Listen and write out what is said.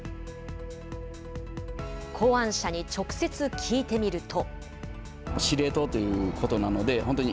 考案者に直接聞いてみると。